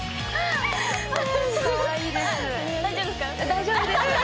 大丈夫です。